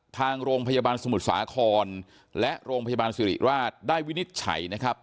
ทางโรงพยาบาลสมุทรสาครและโรงพยาบาลสิริราชได้วินิจฉัยนะครับ